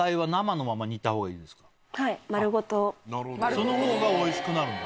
そのほうがおいしくなるんだ？